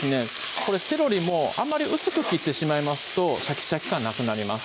これセロリもあんまり薄く切ってしまいますとシャキシャキ感なくなります